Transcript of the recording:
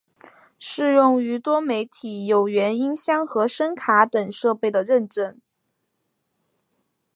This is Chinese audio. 适用于多媒体有源音箱和声卡等设备的认证。